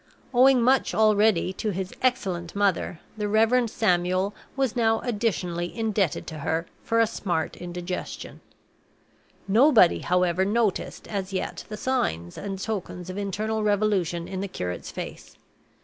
Owing much already to his excellent mother, the Reverend Samuel was now additionally indebted to her for a smart indigestion. Nobody, however, noticed as yet the signs and tokens of internal revolution in the curate's face.